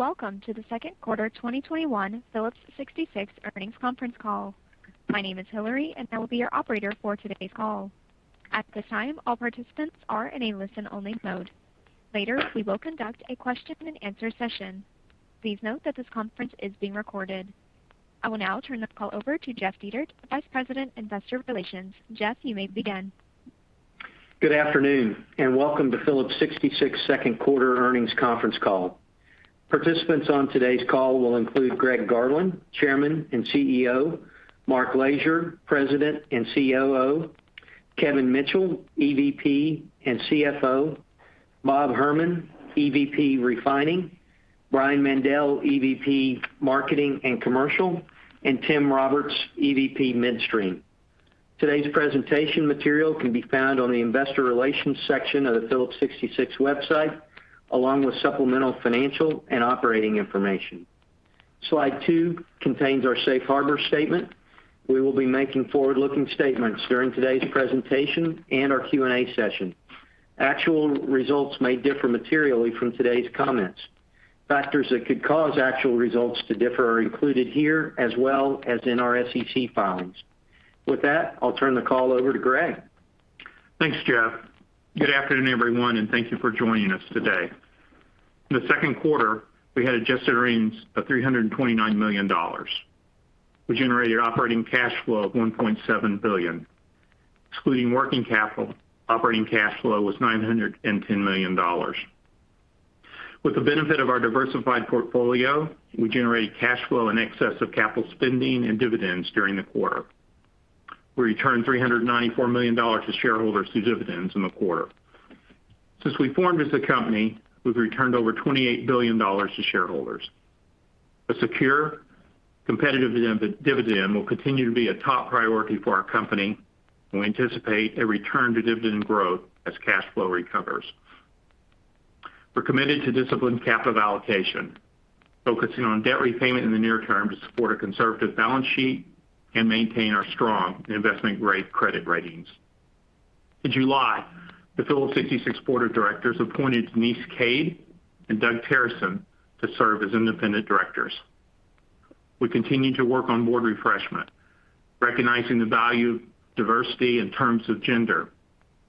Welcome to the Second Quarter 2021 Phillips 66 Earnings Conference Call. My name is Hillary, and I will be your operator for today's call. At this time, all participants are in a listen-only mode. Later, we will conduct a question and answer session. Please note that this conference is being recorded. I will now turn the call over to Jeff Dietert, Vice President, Investor Relations. Jeff, you may begin. Good afternoon, and welcome to Phillips 66 Second Quarter Earnings Conference Call. Participants on today's call will include Greg Garland, Chairman and CEO, Mark Lashier, President and COO, Kevin Mitchell, EVP and CFO, Bob Herman, EVP Refining, Brian Mandell, EVP Marketing and Commercial, and Tim Roberts, EVP Midstream. Today's presentation material can be found on the Investor Relations section of the Phillips 66 website, along with supplemental financial and operating information. Slide two contains our safe harbor statement. We will be making forward-looking statements during today's presentation and our Q&A session. Actual results may differ materially from today's comments. Factors that could cause actual results to differ are included here, as well as in our SEC filings. With that, I'll turn the call over to Greg. Thanks, Jeff. Good afternoon, everyone, and thank you for joining us today. In the second quarter, we had adjusted earnings of $329 million. We generated operating cash flow of $1.7 billion. Excluding working capital, operating cash flow was $910 million. With the benefit of our diversified portfolio, we generated cash flow in excess of capital spending and dividends during the quarter. We returned $394 million to shareholders through dividends in the quarter. Since we formed as a company, we've returned over $28 billion to shareholders. A secure, competitive dividend will continue to be a top priority for our company. We anticipate a return to dividend growth as cash flow recovers. We're committed to disciplined capital allocation, focusing on debt repayment in the near term to support a conservative balance sheet and maintain our strong investment-grade credit ratings. In July, the Phillips 66 Board of Directors appointed Denise Cade and Doug Terreson to serve as independent directors. We continue to work on board refreshment, recognizing the value of diversity in terms of gender,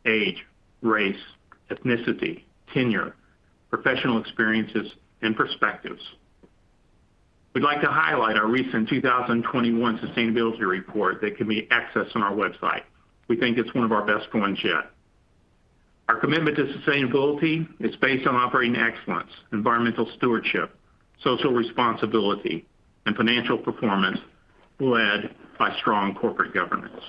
age, race, ethnicity, tenure, professional experiences, and perspectives. We'd like to highlight our recent 2021 sustainability report that can be accessed on our website. We think it's one of our best ones yet. Our commitment to sustainability is based on operating excellence, environmental stewardship, social responsibility, and financial performance led by strong corporate governance.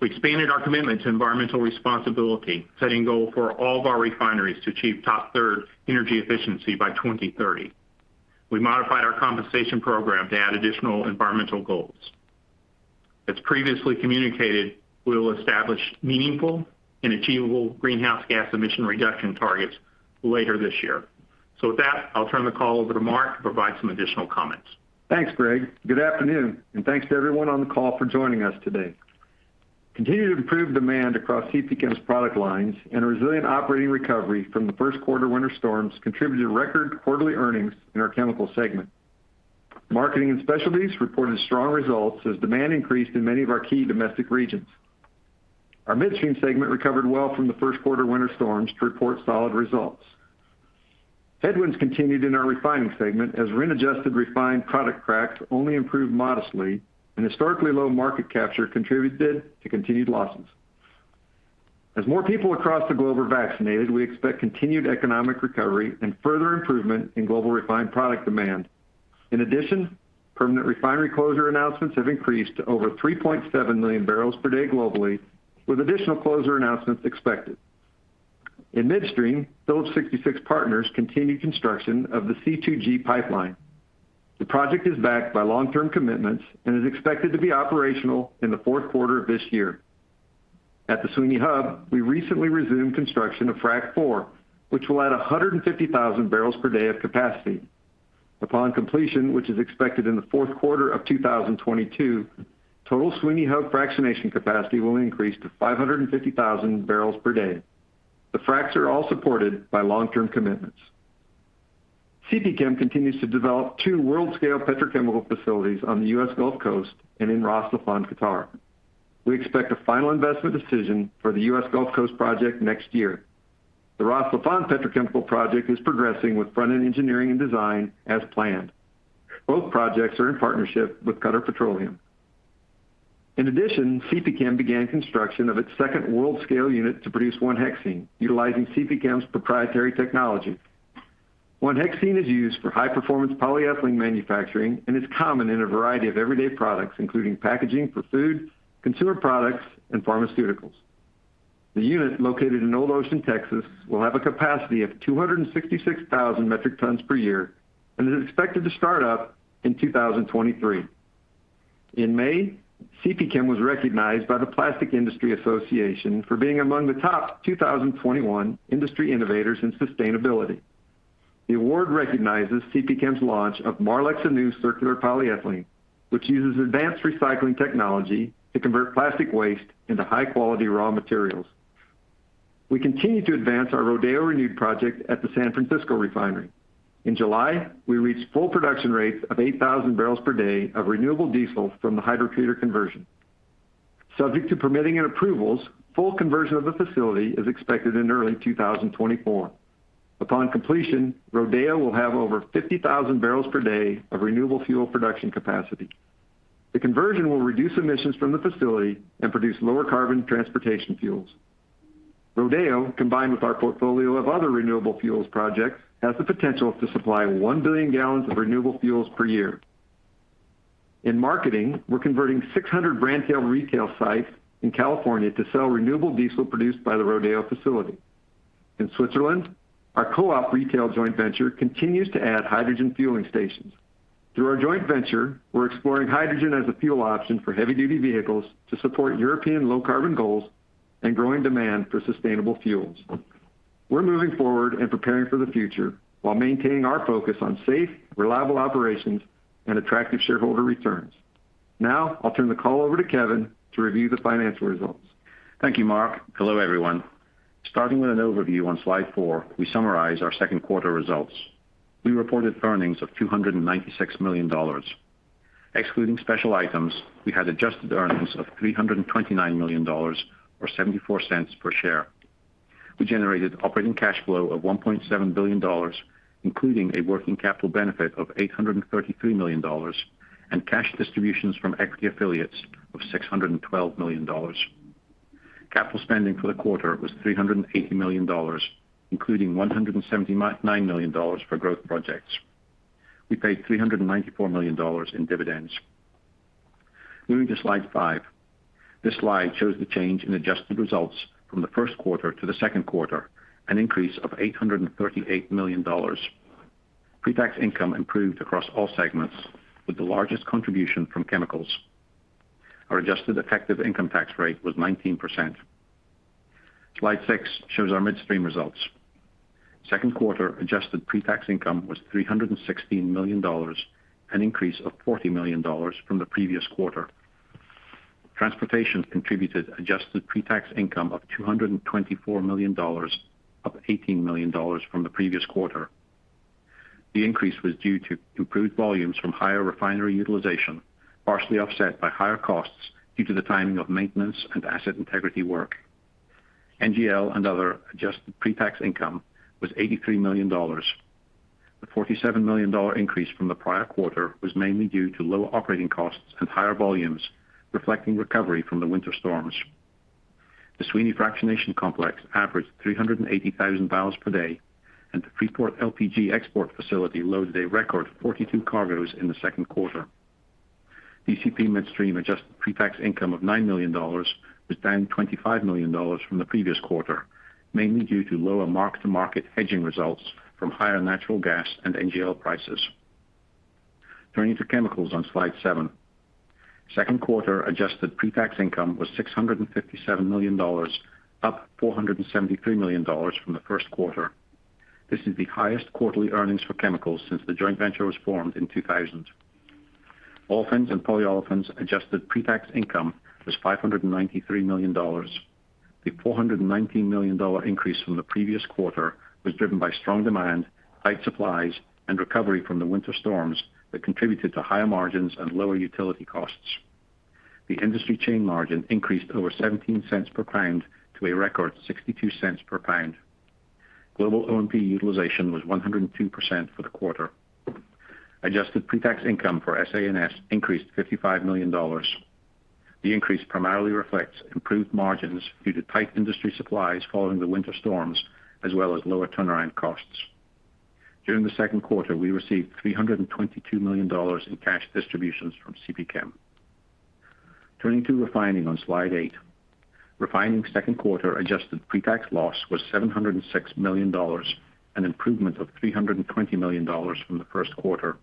We expanded our commitment to environmental responsibility, setting a goal for all of our refineries to achieve top third energy efficiency by 2030. We modified our compensation program to add additional environmental goals. As previously communicated, we will establish meaningful and achievable greenhouse gas emission reduction targets later this year. With that, I'll turn the call over to Mark to provide some additional comments. Thanks, Greg. Good afternoon, and thanks to everyone on the call for joining us today. Continued improved demand across CPChem's product lines and a resilient operating recovery from the first quarter winter storms contributed record quarterly earnings in our chemicals segment. Marketing and Specialties reported strong results as demand increased in many of our key domestic regions. Our midstream segment recovered well from the first quarter winter storms to report solid results. Headwinds continued in our refining segment as RIN-adjusted refined product cracks only improved modestly and historically low market capture contributed to continued losses. As more people across the globe are vaccinated, we expect continued economic recovery and further improvement in global refined product demand. In addition, permanent refinery closure announcements have increased to over 3.7 million bpd globally, with additional closure announcements expected. In midstream, Phillips 66 Partners continued construction of the C2G Pipeline. The project is backed by long-term commitments and is expected to be operational in the fourth quarter of this year. At the Sweeny Hub, we recently resumed construction of Frac 4, which will add 150,000 bpd of capacity. Upon completion, which is expected in the fourth quarter of 2022, total Sweeny Hub fractionation capacity will increase to 550,000 bpd. The fracs are all supported by long-term commitments. CPChem continues to develop two world-scale petrochemical facilities on the U.S. Gulf Coast and in Ras Laffan, Qatar. We expect a final investment decision for the U.S. Gulf Coast project next year. The Ras Laffan petrochemical project is progressing with front-end engineering and design as planned. Both projects are in partnership with Qatar Petroleum. In addition, CPChem began construction of its second world-scale unit to produce 1-hexene, utilizing CPChem's proprietary technology. 1-hexene is used for high-performance polyethylene manufacturing and is common in a variety of everyday products, including packaging for food, consumer products, and pharmaceuticals. The unit, located in Old Ocean, Texas, will have a capacity of 266,000 metric tons per year and is expected to start up in 2023. In May, CPChem was recognized by the Plastics Industry Association for being among the top 2021 industry innovators in sustainability. The award recognizes CPChem's launch of Marlex Anew Circular Polyethylene, which uses advanced recycling technology to convert plastic waste into high-quality raw materials. We continue to advance our Rodeo Renewed project at the San Francisco refinery. In July, we reached full production rates of 8,000 bpd of renewable diesel from the hydrotreater conversion. Subject to permitting and approvals, full conversion of the facility is expected in early 2024. Upon completion, Rodeo will have over 50,000 bpd of renewable fuel production capacity. The conversion will reduce emissions from the facility and produce lower carbon transportation fuels. Rodeo, combined with our portfolio of other renewable fuels projects, has the potential to supply 1 billion gallons of renewable fuels per year. In marketing, we're converting 600 branded retail sites in California to sell renewable diesel produced by the Rodeo facility. In Switzerland, our co-op retail joint venture continues to add hydrogen fueling stations. Through our joint venture, we're exploring hydrogen as a fuel option for heavy-duty vehicles to support European low-carbon goals and growing demand for sustainable fuels. We're moving forward and preparing for the future while maintaining our focus on safe, reliable operations and attractive shareholder returns. Now, I'll turn the call over to Kevin to review the financial results. Thank you, Mark. Hello, everyone. Starting with an overview on slide four we summarize our second quarter results. We reported earnings of $296 million. Excluding special items, we had adjusted earnings of $329 million or $0.74 per share. We generated operating cash flow of $1.7 billion, including a working capital benefit of $833 million and cash distributions from equity affiliates of $612 million. Capital spending for the quarter was $380 million, including $179 million for growth projects. We paid $394 million in dividends. Moving to slide five. This slide shows the change in adjusted results from the first quarter to the second quarter, an increase of $838 million. Pre-tax income improved across all segments, with the largest contribution from chemicals. Our adjusted effective income tax rate was 19%. Slide six shows our midstream results. Second quarter adjusted pre-tax income was $316 million, an increase of $40 million from the previous quarter. Transportation contributed adjusted pre-tax income of $224 million, up $18 million from the previous quarter. The increase was due to improved volumes from higher refinery utilization, partially offset by higher costs due to the timing of maintenance and asset integrity work. NGL and other adjusted pre-tax income was $83 million. The $47 million increase from the prior quarter was mainly due to lower operating costs and higher volumes, reflecting recovery from the winter storms. The Sweeny Fractionation Complex averaged 380,000 bpd, and the Freeport LPG export facility loaded a record 42 cargoes in the second quarter. DCP Midstream adjusted pre-tax income of $9 million was down $25 million from the previous quarter, mainly due to lower mark-to-market hedging results from higher natural gas and NGL prices. Turning to chemicals on slide seven. Second quarter adjusted pre-tax income was $657 million, up $473 million from the first quarter. This is the highest quarterly earnings for chemicals since the joint venture was formed in 2000. Olefins and polyolefins adjusted pre-tax income was $593 million. The $419 million increase from the previous quarter was driven by strong demand, tight supplies, and recovery from the winter storms that contributed to higher margins and lower utility costs. The industry chain margin increased over $0.17 per pound to a record $0.62 per pound. Global O&P utilization was 102% for the quarter. Adjusted pre-tax income for SA&S increased $55 million. The increase primarily reflects improved margins due to tight industry supplies following the winter storms, as well as lower turnaround costs. During the second quarter, we received $322 million in cash distributions from CPChem. Turning to refining on Slide eight. Refining second quarter adjusted pre-tax loss was $706 million, an improvement of $320 million from the first quarter.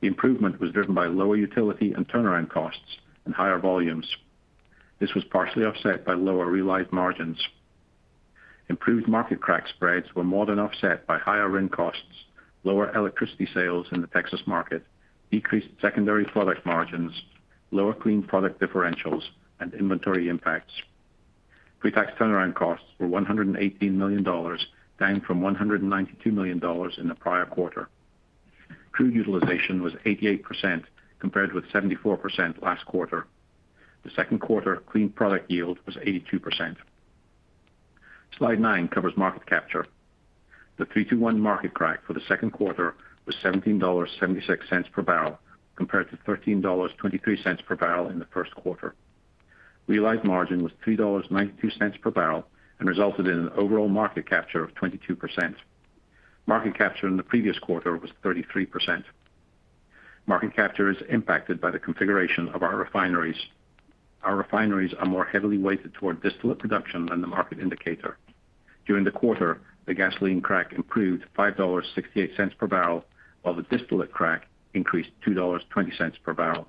The improvement was driven by lower utility and turnaround costs and higher volumes. This was partially offset by lower realized margins. Improved market crack spreads were more than offset by higher RIN costs, lower electricity sales in the Texas market, decreased secondary product margins, lower clean product differentials, and inventory impacts. Pre-tax turnaround costs were $118 million, down from $192 million in the prior quarter. Crude utilization was 88%, compared with 74% last quarter. The second quarter clean product yield was 82%. Slide nine covers market capture. The 3-2-1 market crack for the second quarter was $17.76 per barrel, compared to $13.23 per barrel in the first quarter. Realized margin was $3.92 per barrel and resulted in an overall market capture of 22%. Market capture in the previous quarter was 33%. Market capture is impacted by the configuration of our refineries. Our refineries are more heavily weighted toward distillate production than the market indicator. During the quarter, the gasoline crack improved $5.68 per barrel, while the distillate crack increased $2.20 per barrel.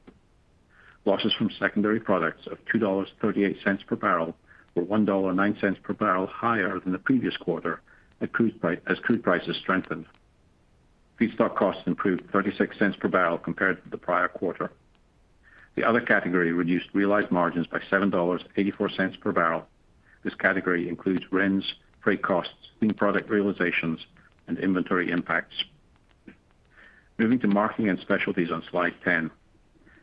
Losses from secondary products of $2.38 per barrel were $1.09 per barrel higher than the previous quarter as crude prices strengthened. Feedstock costs improved $0.36 per barrel compared to the prior quarter. The other category reduced realized margins by $7.84 per barrel. This category includes RINs, freight costs, clean product realizations, and inventory impacts. Moving to marketing and specialties on Slide 10.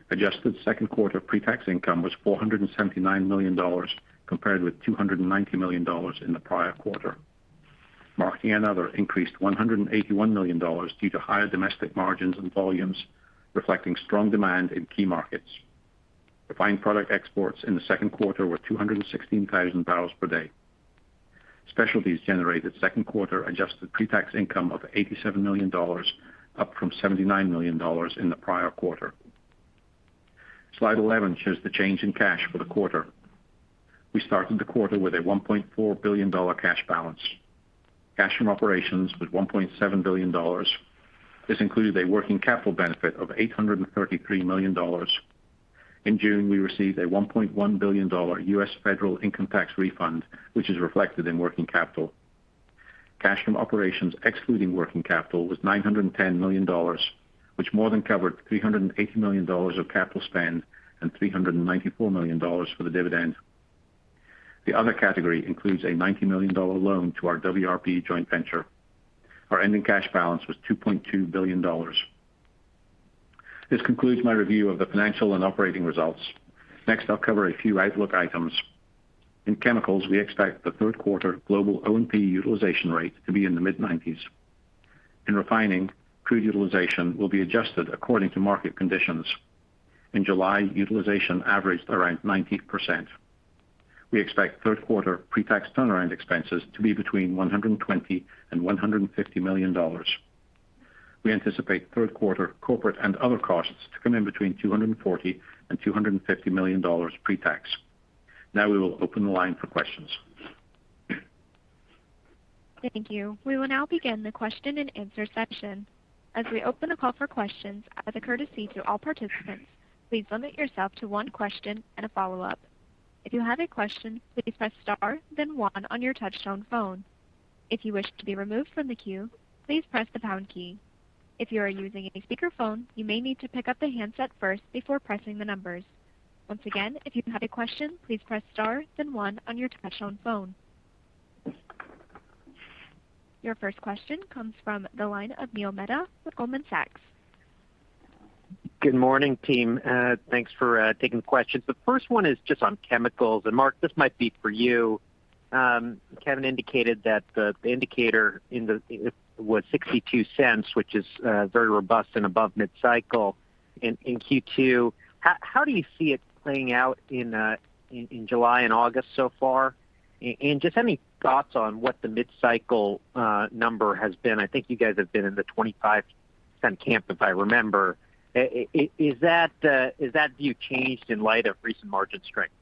Adjusted second quarter pre-tax income was $479 million, compared with $290 million in the prior quarter. Marketing and other increased to $181 million due to higher domestic margins and volumes, reflecting strong demand in key markets. Refined product exports in the second quarter were 216,000 bpd. Specialties generated second quarter adjusted pre-tax income of $87 million, up from $79 million in the prior quarter. Slide 11 shows the change in cash for the quarter. We started the quarter with a $1.4 billion cash balance. Cash from operations was $1.7 billion. This included a working capital benefit of $833 million. In June, we received a $1.1 billion U.S. federal income tax refund, which is reflected in working capital. Cash from operations excluding working capital was $910 million, which more than covered $380 million of capital spend and $394 million for the dividend. The other category includes a $90 million loan to our WRB joint venture. Our ending cash balance was $2.2 billion. This concludes my review of the financial and operating results. Next, I'll cover a few outlook items. In Chemicals, we expect the third quarter global O&P utilization rate to be in the mid-90s%. In Refining, crude utilization will be adjusted according to market conditions. In July, utilization averaged around 90%. We expect third quarter pre-tax turnaround expenses to be between $120 million and $150 million. We anticipate third quarter corporate and other costs to come in between $240 million and $250 million pre-tax. We will open the line for questions. Thank you. We will now begin the question and answer session. As we open the call for questions, as a courtesy to all participants, please limit yourself to one question and a follow-up. If you have a question, please press star then one on your touchtone phone. If you wish to be removed from the queue, please press the pound key. If you are using a speakerphone, you may need to pick up the handset first before pressing the numbers. Once again, if you have a question, please press star then one on your touchtone phone. Your first question comes from the line of Neil Mehta with Goldman Sachs. Good morning, team. Thanks for taking questions. The first one is just on chemicals. Mark, this might be for you. Kevin indicated that the indicator was $0.62, which is very robust and above mid-cycle in Q2. How do you see it playing out in July and August so far? Just any thoughts on what the mid-cycle number has been? I think you guys have been in the $0.25 camp, if I remember. Is that view changed in light of recent margin strength?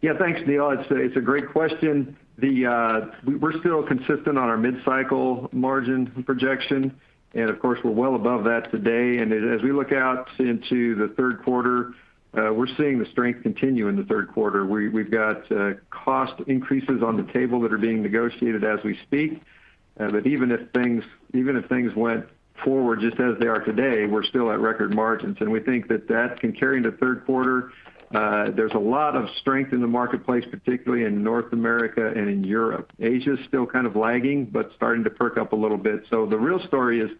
Yeah. Thanks, Neil. It's a great question. We're still consistent on our mid-cycle margin projection. Of course, we're well above that today. As we look out into the third quarter, we're seeing the strength continue in the third quarter. We've got cost increases on the table that are being negotiated as we speak. Even if things went forward just as they are today, we're still at record margins, and we think that that can carry into third quarter. There's a lot of strength in the marketplace, particularly in North America and in Europe. Asia's still kind of lagging, but starting to perk up a little bit. The real story is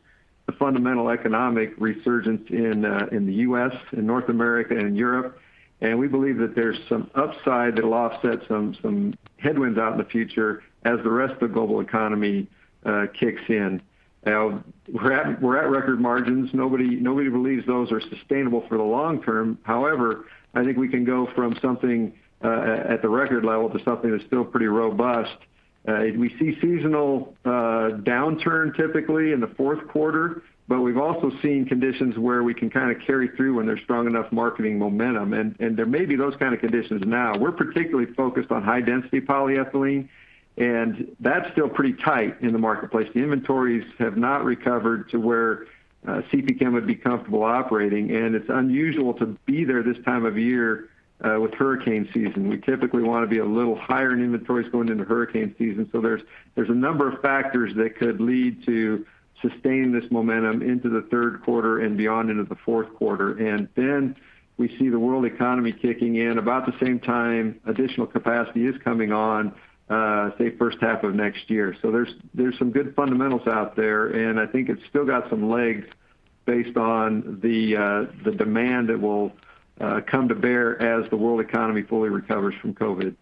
the fundamental economic resurgence in the U.S., in North America and in Europe. We believe that there's some upside that'll offset some headwinds out in the future as the rest of the global economy kicks in. Now we're at record margins. Nobody believes those are sustainable for the long term. However, I think we can go from something at the record level to something that's still pretty robust. We see seasonal downturn typically in the fourth quarter, but we've also seen conditions where we can kind of carry through when there's strong enough marketing momentum, and there may be those kind of conditions now. We're particularly focused on high-density polyethylene, and that's still pretty tight in the marketplace. The inventories have not recovered to where CPChem would be comfortable operating, and it's unusual to be there this time of year with hurricane season. We typically want to be a little higher in inventories going into hurricane season. There's a number of factors that could lead to sustaining this momentum into the third quarter and beyond into the fourth quarter. We see the world economy kicking in about the same time additional capacity is coming on, say, first half of next year. There's some good fundamentals out there, and I think it's still got some legs based on the demand that will come to bear as the world economy fully recovers from COVID.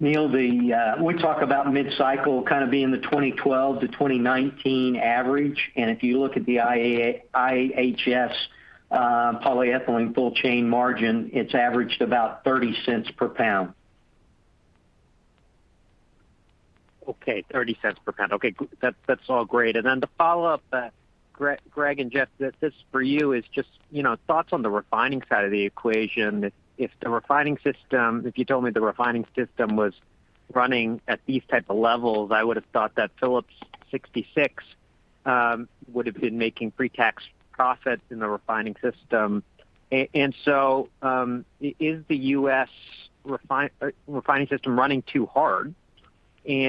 Neil, we talk about mid-cycle kind of being the 2012 to 2019 average. If you look at the IHS polyethylene full chain margin, it's averaged about $0.30 per pound. Okay. $0.30 per pound. Okay. That's all great. Then to follow up, Greg and Jeff, this is for you. It's just thoughts on the refining side of the equation. If you told me the refining system was running at these type of levels, I would've thought that Phillips 66 would've been making pre-tax profits in the refining system. So, is the U.S. refining system running too hard?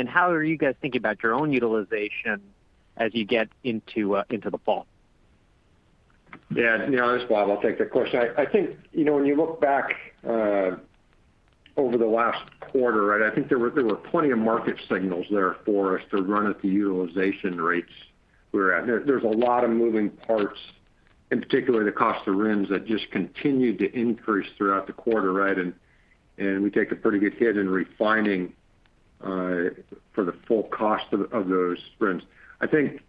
How are you guys thinking about your own utilization as you get into the fall? Yeah. This is Bob, I'll take the question. I think when you look back over the last quarter, I think there were plenty of market signals there for us to run at the utilization rates we were at. There's a lot of moving parts, in particular the cost of RINs, that just continued to increase throughout the quarter. We take a pretty good hit in refining for the full cost of those RINs. I think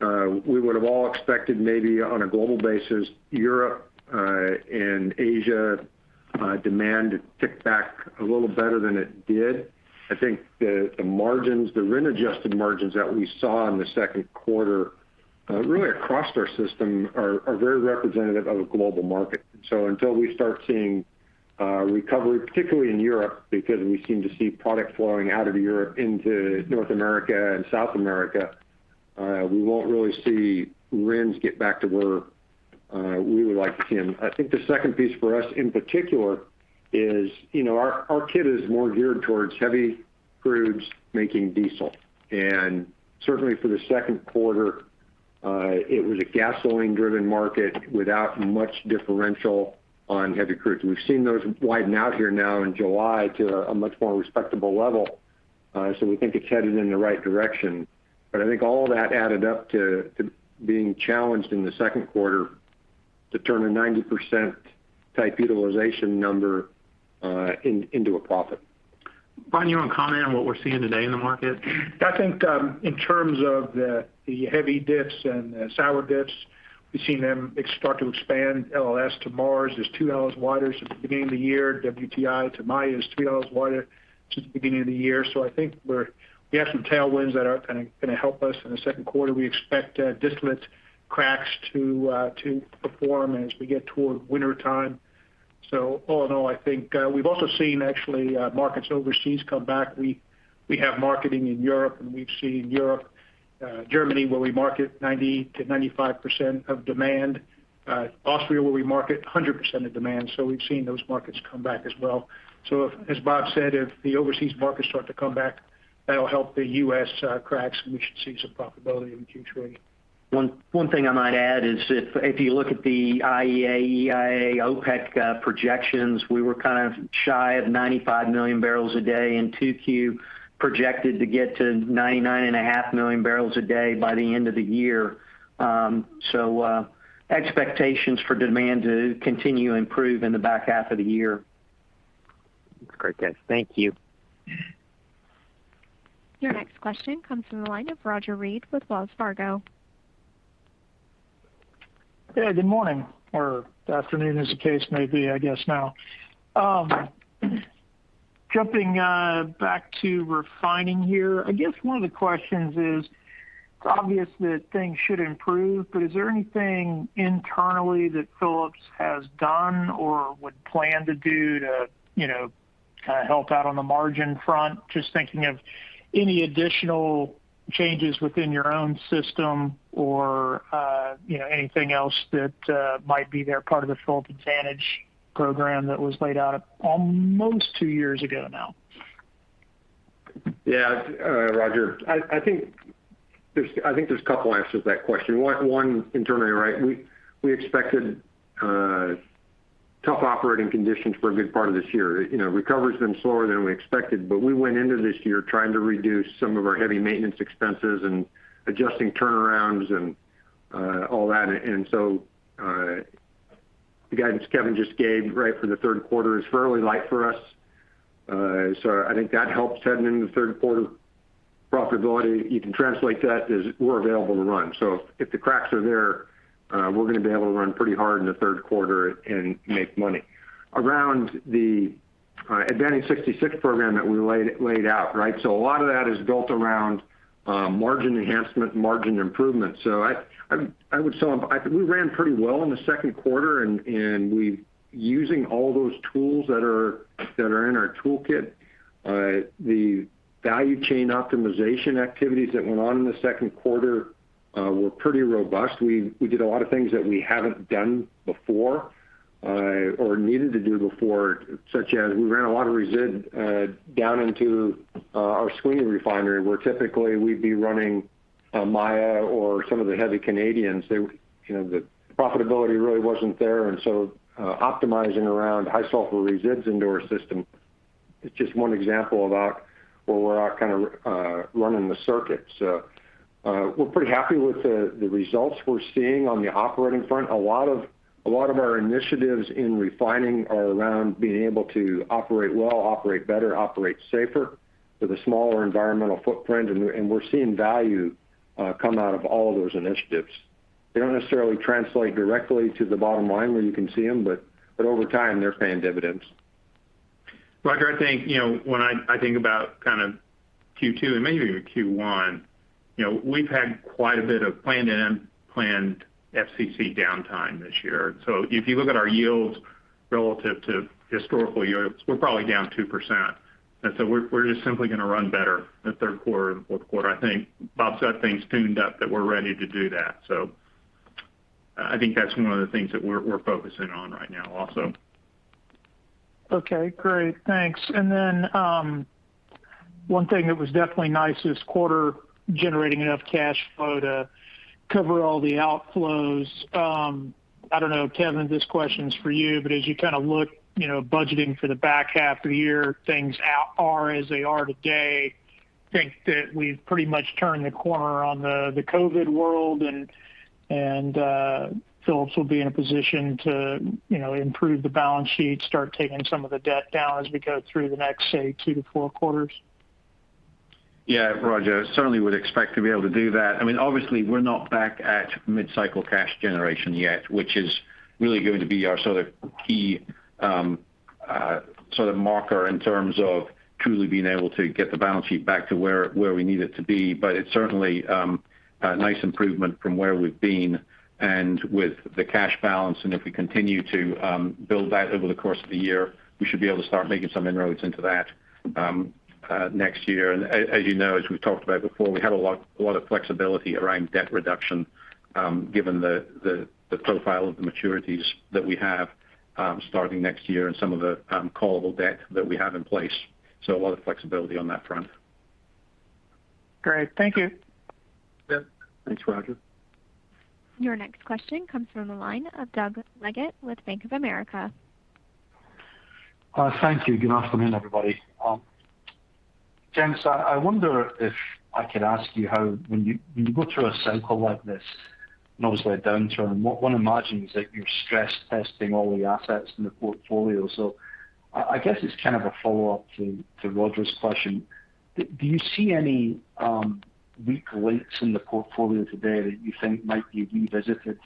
we would've all expected maybe on a global basis, Europe and Asia demand to tick back a little better than it did. I think the RIN-adjusted margins that we saw in the second quarter, really across our system, are very representative of a global market. Until we start seeing recovery, particularly in Europe, because we seem to see product flowing out of Europe into North America and South America, we won't really see RINs get back to where we would like to see them. I think the second piece for us in particular is our kit is more geared towards heavy crudes making diesel, and certainly for the second quarter, it was a gasoline-driven market without much differential on heavy crudes. We've seen those widen out here now in July to a much more respectable level. We think it's headed in the right direction, but I think all that added up to being challenged in the second quarter to turn a 90%-type utilization number into a profit. Brian, you want to comment on what we're seeing today in the market? I think in terms of the heavy diffs and the sour diffs, we've seen them start to expand. LLS to Mars is two Ls wider since the beginning of the year. WTI to Maya is three Ls wider since the beginning of the year. I think we have some tailwinds that are going to help us in the second quarter. We expect distillate cracks to perform as we get toward wintertime. All in all, I think we've also seen actually markets overseas come back. We have marketing in Europe, and we've seen Europe, Germany, where we market 90%-95% of demand. Austria, where we market 100% of demand. We've seen those markets come back as well. As Bob said, if the overseas markets start to come back, that'll help the U.S. cracks, and we should see some profitability in Q3. One thing I might add is if you look at the IEA, EIA, OPEC projections, we were kind of shy of 95 million bpd in 2Q, projected to get to 99.5 million bpd by the end of the year. Expectations for demand to continue to improve in the back half of the year. That's great, guys. Thank you. Your next question comes from the line of Roger Read with Wells Fargo. Hey, good morning or afternoon, as the case may be, I guess now. Jumping back to refining here, I guess one of the questions is, it's obvious that things should improve, but is there anything internally that Phillips has done or would plan to do to help out on the margin front? Just thinking of any additional changes within your own system or anything else that might be there part of the Phillips Advantage Program that was laid out almost two years ago now. Roger, I think there's two answers to that question. One internally. We expected tough operating conditions for a good part of this year. Recovery's been slower than we expected, but we went into this year trying to reduce some of our heavy maintenance expenses and adjusting turnarounds and all that. The guidance Kevin just gave for the third quarter is fairly light for us. I think that helps heading into third quarter profitability. You can translate that as we're available to run. If the cracks are there, we're going to be able to run pretty hard in the third quarter and make money. Around the AdvantEdge66 program that we laid out. A lot of that is built around margin enhancement, margin improvement. I would say we ran pretty well in the second quarter and using all those tools that are in our toolkit. The value chain optimization activities that went on in the second quarter were pretty robust. We did a lot of things that we haven't done before or needed to do before, such as we ran a lot of resid down into our Sweeny refinery, where typically we'd be running Maya or some of the heavy Canadians. The profitability really wasn't there. Optimizing around high sulfur resids into our system is just one example of where we're at kind of running the circuits. We're pretty happy with the results we're seeing on the operating front. A lot of our initiatives in refining are around being able to operate well, operate better, operate safer with a smaller environmental footprint, and we're seeing value come out of all those initiatives. They don't necessarily translate directly to the bottom line where you can see them, but over time, they're paying dividends. Roger, I think when I think about kind of Q2 and maybe even Q1, we've had quite a bit of planned FCC downtime this year. If you look at our yields relative to historical yields, we're probably down 2%. We're just simply going to run better the third quarter and fourth quarter. I think Bob's got things tuned up that we're ready to do that. I think that's one of the things that we're focusing on right now also. Okay, great. Thanks. One thing that was definitely nice this quarter, generating enough cash flow to cover all the outflows. I don't know, Kevin, this question is for you, but as you look, budgeting for the back half of the year, things are as they are today. I think that we've pretty much turned the corner on the COVID world and Phillips will be in a position to improve the balance sheet, start taking some of the debt down as we go through the next, say, two to four quarters. Yeah. Roger, certainly would expect to be able to do that. Obviously, we're not back at mid-cycle cash generation yet, which is really going to be our key marker in terms of truly being able to get the balance sheet back to where we need it to be. It's certainly a nice improvement from where we've been and with the cash balance, and if we continue to build that over the course of the year, we should be able to start making some inroads into that next year. As you know, as we've talked about before, we have a lot of flexibility around debt reduction, given the profile of the maturities that we have starting next year and some of the callable debt that we have in place. A lot of flexibility on that front. Great. Thank you. Yeah. Thanks, Roger. Your next question comes from the line of Doug Leggate with Bank of America. Thank you. Good afternoon, everybody. James, I wonder if I could ask you how, when you go through a cycle like this, and obviously a downturn, one imagines that you're stress testing all the assets in the portfolio. I guess it's kind of a follow-up to Roger's question. Do you see any weak links in the portfolio today that you think might be revisited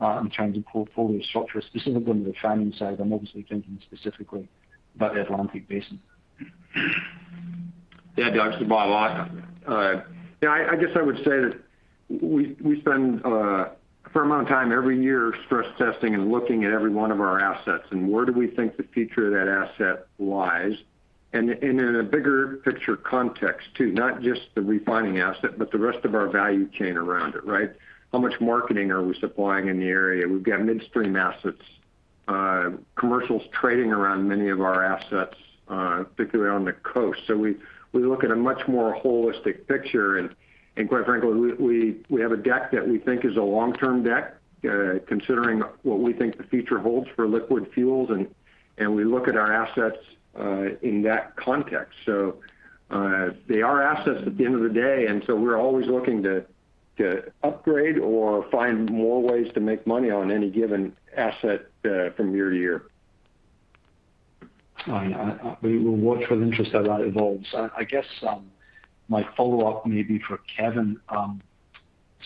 in terms of portfolio structure, specifically on the refining side? I'm obviously thinking specifically about the Atlantic Basin. Yeah, Doug. Bob, I guess I would say that we spend a fair amount of time every year stress testing and looking at every one of our assets and where do we think the future of that asset lies. In a bigger picture context, too, not just the refining asset, but the rest of our value chain around it, right? How much marketing are we supplying in the area? We've got midstream assets, commercials trading around many of our assets, particularly around the coast. We look at a much more holistic picture, and quite frankly, we have a deck that we think is a long-term deck, considering what we think the future holds for liquid fuels, and we look at our assets in that context. They are assets at the end of the day, and so we're always looking to upgrade or find more ways to make money on any given asset from year to year. Fine. We will watch with interest how that evolves. I guess my follow-up may be for Kevin.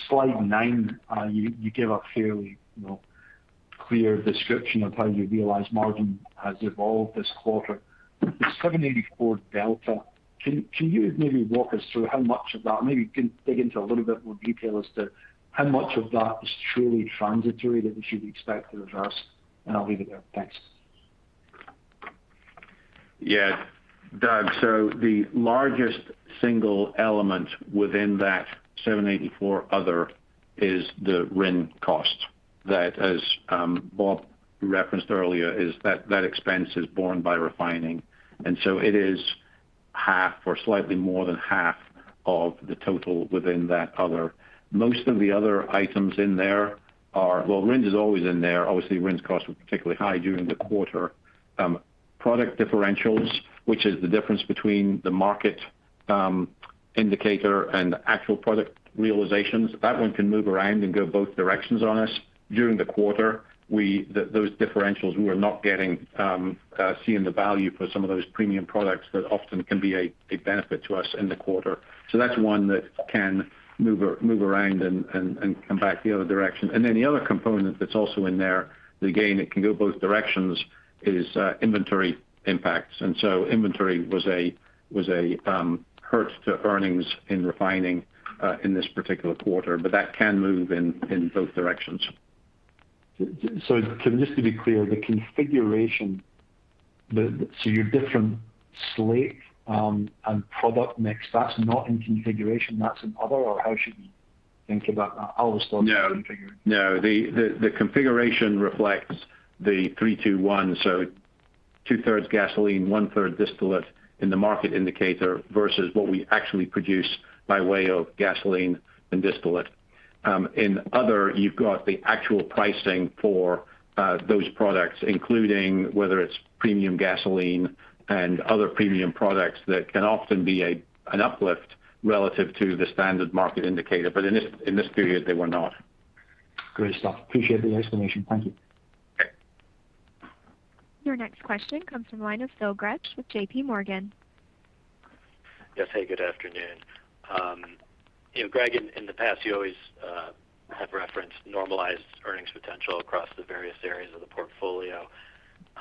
Slide nine, you give a fairly clear description of how you realize margin has evolved this quarter. The 784 delta, can you maybe walk us through how much of that, maybe you can dig into a little bit more detail as to how much of that is truly transitory that we should expect to reverse? I'll leave it there. Thanks. Yeah. Doug, the largest single element within that 784 other is the RIN cost that, as Bob referenced earlier, is that expense is borne by refining. It is half or slightly more than half of the total within that other. Most of the other items in there. Well, RIN is always in there. Obviously, RIN's costs were particularly high during the quarter. Product differentials, which is the difference between the market indicator and the actual product realizations, that one can move around and go both directions on us. During the quarter, those differentials, we were not seeing the value for some of those premium products that often can be a benefit to us in the quarter. That's one that can move around and come back the other direction. The other component that's also in there, again, it can go both directions, is inventory impacts. Inventory was a hurt to earnings in refining in this particular quarter. That can move in both directions. Kevin, just to be clear, the configuration, so your different slate and product mix, that's not in configuration, that's in other, or how should we think about that? I always thought it was in configuration. No. The configuration reflects the 3-2-1. 2/3 gasoline, 1/3 distillate in the market indicator versus what we actually produce by way of gasoline and distillate. In other, you've got the actual pricing for those products, including whether it's premium gasoline and other premium products that can often be an uplift relative to the standard market indicator. In this period, they were not. Great stuff. Appreciate the explanation. Thank you. Okay. Your next question comes from the line of Phil Gresh with JPMorgan. Yes, hey, good afternoon. Greg, in the past, you always have referenced normalized earnings potential across the various areas of the portfolio.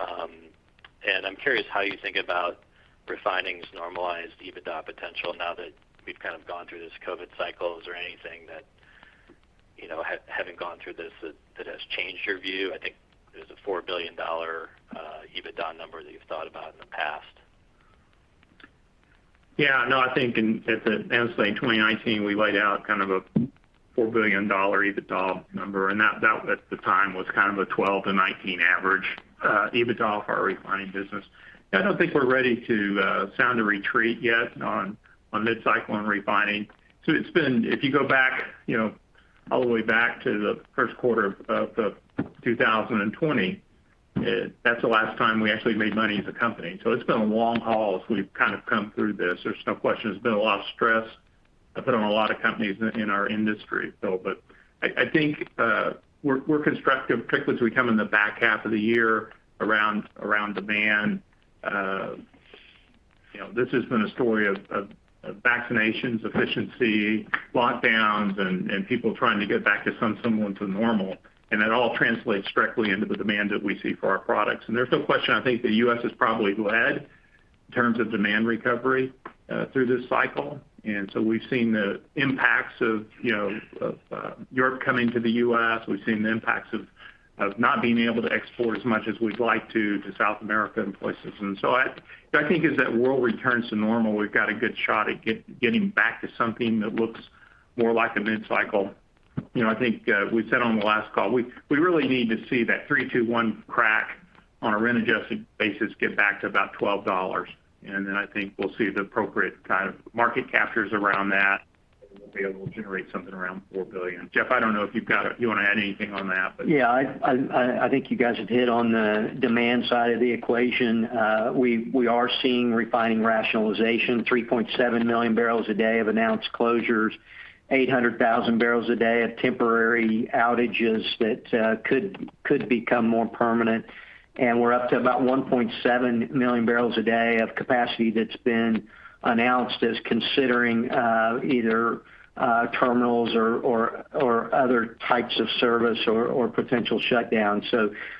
I'm curious how you think about refining's normalized EBITDA potential now that we've kind of gone through this COVID cycle. Is there anything that, having gone through this, that has changed your view? I think there's a $4 billion EBITDA number that you've thought about in the past. No, I think as I was saying, 2019, we laid out a $4 billion EBITDA number, and that at the time was kind of a 12-19 average EBITDA for our refining business. I don't think we're ready to sound a retreat yet on mid-cycle and refining. It's been, if you go back all the way back to the first quarter of 2020, that's the last time we actually made money as a company. There's no question there's been a lot of stress put on a lot of companies in our industry. I think we're constructive, particularly as we come in the back half of the year around demand. This has been a story of vaccinations, efficiency, lockdowns, and people trying to get back to some semblance of normal. That all translates directly into the demand that we see for our products. There's no question I think the U.S. has probably led in terms of demand recovery through this cycle. We've seen the impacts of Europe coming to the U.S. We've seen the impacts of not being able to export as much as we'd like to South America and places. I think as that world returns to normal, we've got a good shot at getting back to something that looks more like a mid-cycle. I think we said on the last call, we really need to see that 3-2-1 crack on a RIN-adjusted basis get back to about $12. I think we'll see the appropriate kind of market captures around that, and we'll be able to generate something around $4 billion. Jeff, I don't know if you want to add anything on that? Yeah, I think you guys have hit on the demand side of the equation. We are seeing refining rationalization, 3.7 million bpd of announced closures, 800,000 bpd of temporary outages that could become more permanent. We're up to about 1.7 million bpd of capacity that's been announced as considering either terminals or other types of service or potential shutdowns.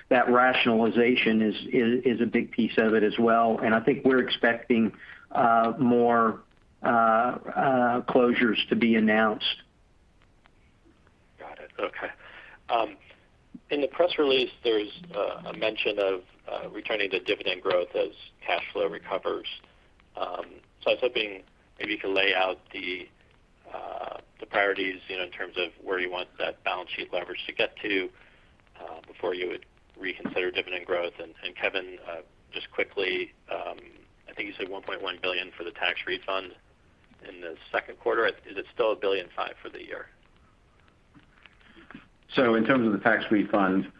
That rationalization is a big piece of it as well. I think we're expecting more closures to be announced. Got it. Okay. In the press release, there's a mention of returning to dividend growth as cash flow recovers. I was hoping maybe you could lay out the priorities in terms of where you want that balance sheet leverage to get to before you would reconsider dividend growth. Kevin, just quickly, I think you said $1.1 billion for the tax refund in the second quarter. Is it still $1.5 billion for the year? In terms of the tax refund,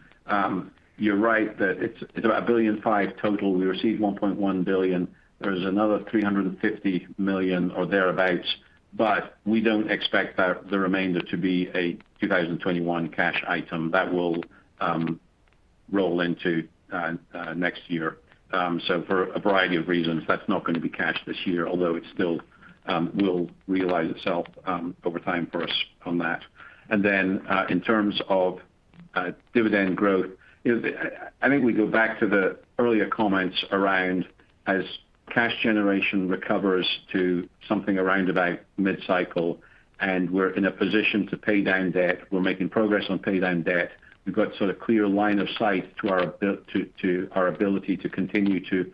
you're right that it's about $1.5 billion total. We received $1.1 billion. There's another $350 million or thereabouts, but we don't expect the remainder to be a 2021 cash item. That will roll into next year. For a variety of reasons, that's not going to be cash this year, although it still will realize itself over time for us on that. In terms of dividend growth, I think we go back to the earlier comments around as cash generation recovers to something around about mid-cycle and we're in a position to pay down debt, we're making progress on paying down debt. We've got sort of clear line of sight to our ability to continue to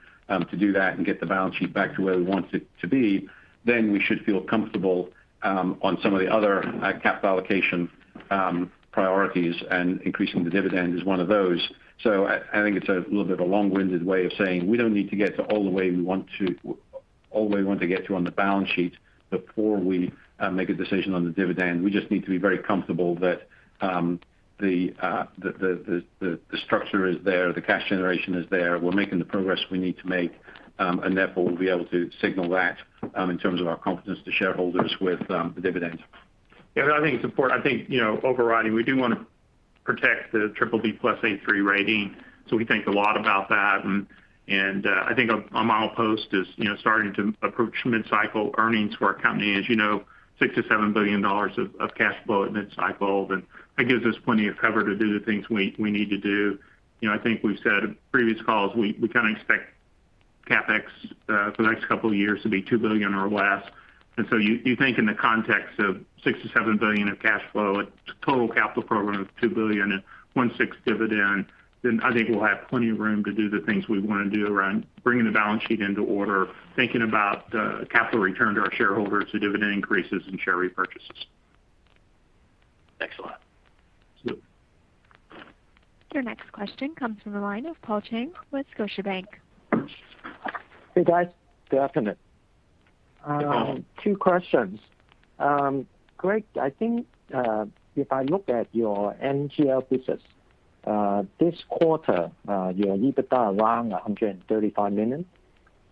do that and get the balance sheet back to where we want it to be. We should feel comfortable on some of the other capital allocation priorities, and increasing the dividend is one of those. I think it's a little bit of a long-winded way of saying we don't need to get to all we want to get to on the balance sheet before we make a decision on the dividend. We just need to be very comfortable that the structure is there, the cash generation is there, we're making the progress we need to make, and therefore, we'll be able to signal that in terms of our confidence to shareholders with the dividend. I think it's important. I think, overriding, we do want to protect the BBB+ AM Best rating. We think a lot about that. I think a milepost is starting to approach mid-cycle earnings for our company, as you know, $67 billion of cash flow at mid-cycle. That gives us plenty of cover to do the things we need to do. I think we've said in previous calls, we kind of expect CapEx for the next couple of years to be $2 billion or less. You think in the context of $6 billion-$7 billion of cash flow at total capital program of $2 billion and one-sixth dividend, I think we'll have plenty of room to do the things we want to do around bringing the balance sheet into order, thinking about capital return to our shareholders through dividend increases and share repurchases. Thanks a lot. Thank you. Your next question comes from the line of Paul Cheng with Scotiabank. Hey, guys. Good afternoon. Hi, Paul. Two questions. Greg, I think if I look at your NGL business this quarter, your EBITDA around $135 million.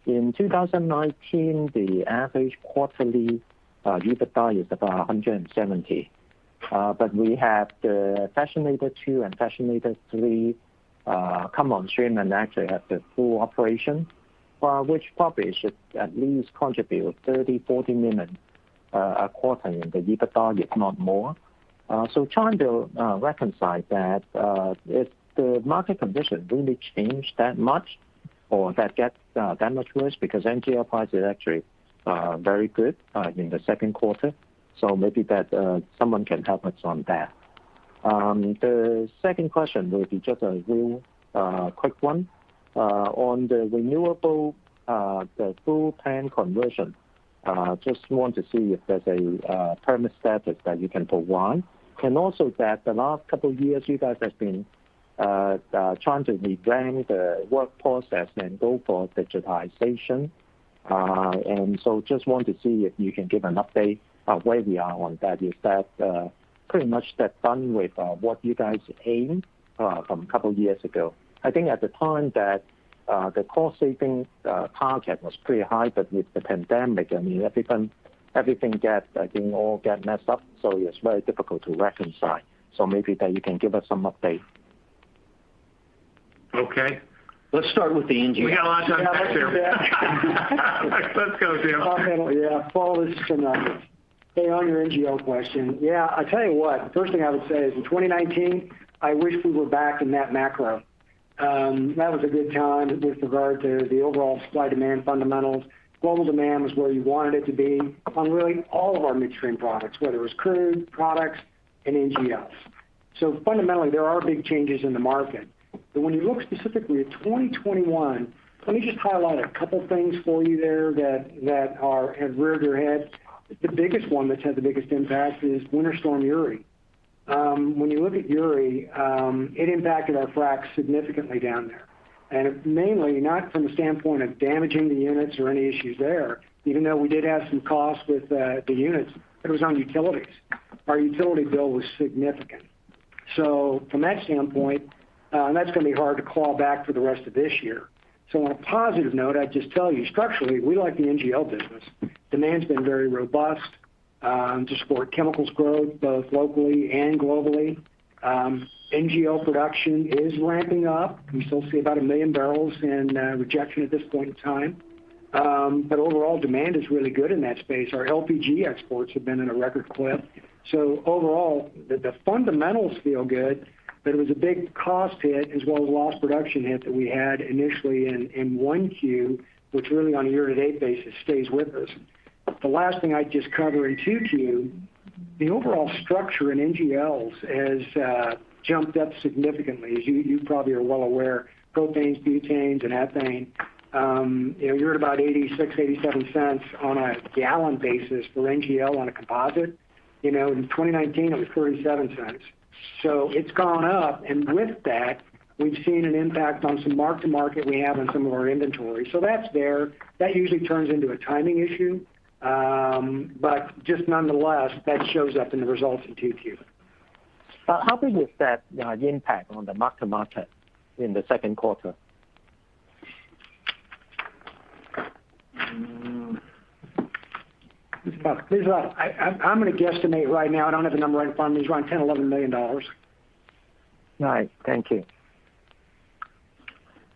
In 2019, the average quarterly EBITDA is about $170 million. We have the Frac 2 and Frac 3 come on stream and actually have the full operation, which probably should at least contribute $30 million-$40 million a quarter in the EBITDA, if not more. Trying to reconcile that. If the market condition really changed that much or that gets that much worse because NGL price is actually very good in the second quarter, maybe someone can help us on that. The second question will be just a real quick one. On the renewable fuel plant conversion, just want to see if there's a permit status that you can provide. Also that the last two years you guys have been trying to rebrand the work process and go for digitization. Just want to see if you can give an update on where we are on that. Is that pretty much that done with what you guys aimed from two years ago? I think at the time that the cost-saving target was pretty high, but with the pandemic, everything all get messed up. Yes, very difficult to reconcile. Maybe that you can give us some update. Okay. Let's start with the NGL. We got a lot of time here. Let's go, Tim. Follow this. Stay on your NGL question. I tell you what, first thing I would say is in 2019, I wish we were back in that macro. That was a good time with regard to the overall supply-demand fundamentals. Global demand was where you wanted it to be on really all of our midstream products, whether it was crude products and NGLs. Fundamentally, there are big changes in the market. When you look specifically at 2021, let me just highlight two things for you there that have reared their head. The biggest one that's had the biggest impact is Winter Storm Uri. When you look at Uri, it impacted our fracs significantly down there. Mainly not from the standpoint of damaging the units or any issues there, even though we did have some costs with the units, it was on utilities. Our utility bill was significant. From that standpoint, that's going to be hard to claw back for the rest of this year. On a positive note, I'd just tell you structurally, we like the NGL business. Demand's been very robust, to support chemicals growth both locally and globally. NGL production is ramping up. We still see about 1 million bbl in rejection at this point in time. Overall demand is really good in that space. Our LPG exports have been in a record clip. Overall, the fundamentals feel good, but it was a big cost hit as well as loss production hit that we had initially in 1Q, which really on a year-to-date basis stays with us. The last thing I'd just cover in 2Q, the overall structure in NGLs has jumped up significantly, as you probably are well aware, propanes, butanes, and ethane. You're at about $0.86, $0.87 on a gallon basis for NGL on a composite. In 2019 it was $0.37. It's gone up, and with that, we've seen an impact on some mark-to-market we have on some of our inventory. That's there. That usually turns into a timing issue. Just nonetheless, that shows up in the results in 2Q. How big is that impact on the mark-to-market in the second quarter? I'm going to guesstimate right now, I don't have the number right in front of me, it's around $10 million-$11 million. Right. Thank you.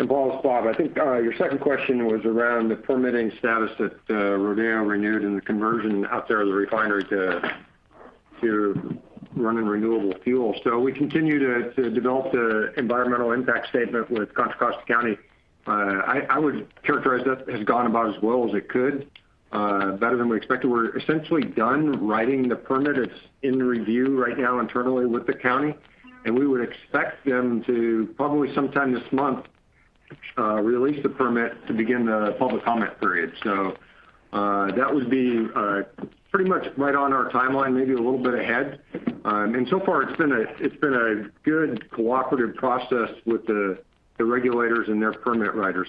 Bob, I think your second question was around the permitting status that Rodeo Renewed and the conversion out there of the refinery to running renewable fuel. We continue to develop the environmental impact statement with Contra Costa County. I would characterize that has gone about as well as it could, better than we expected. We're essentially done writing the permit. It's in review right now internally with the county, and we would expect them to probably sometime this month, release the permit to begin the public comment period. That would be pretty much right on our timeline, maybe a little bit ahead. So far it's been a good cooperative process with the regulators and their permit writers.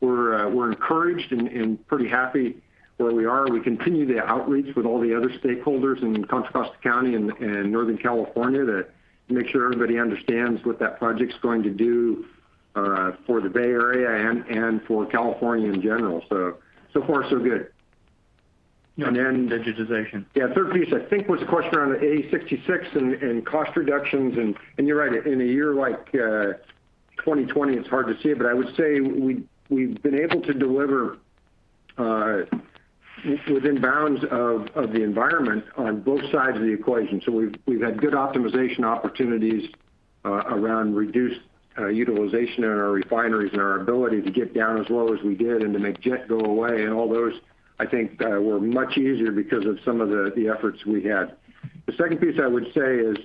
We're encouraged and pretty happy where we are. We continue the outreach with all the other stakeholders in Contra Costa County and Northern California to make sure everybody understands what that project's going to do for the Bay Area and for California in general. So far so good. Digitization. Third piece, I think, was a question around the AdvantEdge66 and cost reductions and you're right, in a year like 2020, it's hard to see it, but I would say we've been able to deliver within bounds of the environment on both sides of the equation. We've had good optimization opportunities around reduced utilization in our refineries and our ability to get down as low as we did and to make jet go away and all those, I think, were much easier because of some of the efforts we had. The second piece I would say is,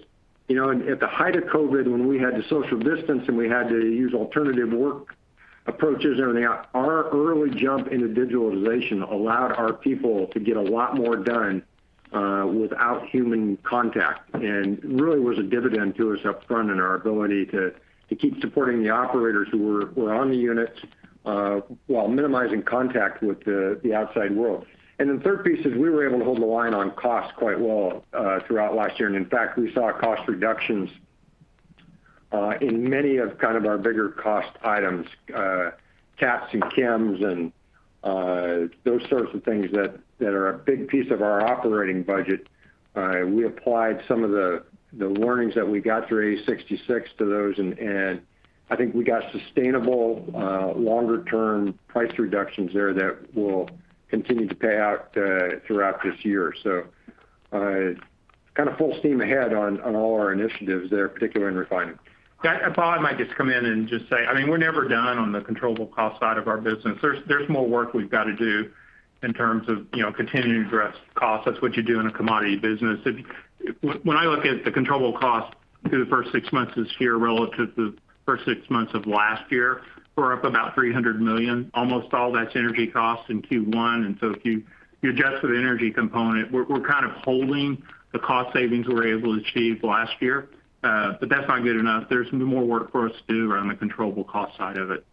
at the height of COVID when we had to social distance and we had to use alternative work approaches and everything else, our early jump into digitalization allowed our people to get a lot more done without human contact. Really was a dividend to us upfront in our ability to keep supporting the operators who were on the units while minimizing contact with the outside world. The third piece is we were able to hold the line on cost quite well throughout last year. In fact, we saw cost reductions in many of kind of our bigger cost items, caps and chems and those sorts of things that are a big piece of our operating budget. We applied some of the learnings that we got through AdvantEdge66 to those and I think we got sustainable longer-term price reductions there that will continue to pay out throughout this year. Full steam ahead on all our initiatives there, particularly in refining. Paul, I might just come in and just say, we're never done on the controllable cost side of our business. There's more work we've got to do in terms of continuing to address costs. That's what you do in a commodity business. When I look at the controllable cost through the first six months of this year relative to the first six months of last year, we're up about $300 million. Almost all that's energy costs in Q1. If you adjust for the energy component, we're holding the cost savings we were able to achieve last year. That's not good enough. There's more work for us to do around the controllable cost side of it.